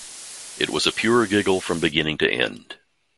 It was a pure giggle from beginning to end.